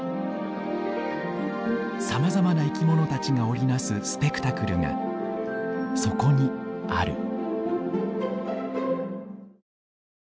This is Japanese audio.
さまざまな生き物たちが織り成すスペクタクルがそこにある。